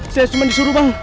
saya cuma disuruh bang